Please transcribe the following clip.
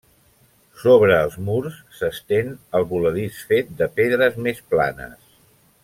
Sobre els murs s'estén el voladís fet de pedres més planes.